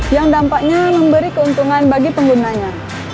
yang dampaknya memberi keuntungan bagi penggunanya